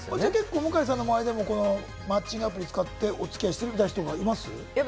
向井さんの周りでもマッチングアプリを使ってお付き合いした人はいる？